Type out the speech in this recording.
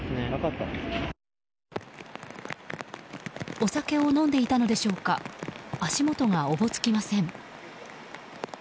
お酒を飲んでいたのでしょうか足元がおぼつきません。